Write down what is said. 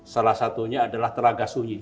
salah satunya adalah telaga sunyi